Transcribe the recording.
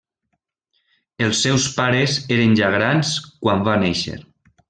Els seus pares eren ja grans quan va néixer.